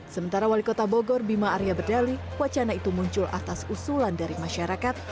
sementara wali kota bogor bima arya berdali wacana itu muncul atas usulan dari masyarakat